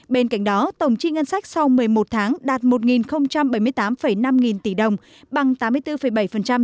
bên cạnh đó tổng chi ngân sách sau một mươi một tháng đạt một bảy mươi tám năm nghìn tỷ đồng bằng tám mươi bốn bảy dự toán năm tăng sáu hai so với cùng kỳ năm hai nghìn một mươi năm